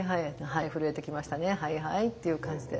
はいはいっていう感じで。